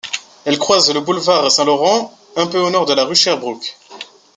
Elle croise le boulevard Saint-Laurent, un peu au nord de la rue Sherbrooke.